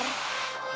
aku udah cepetan